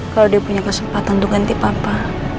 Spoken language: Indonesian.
kalau dia punya kesempatan untuk ganti papa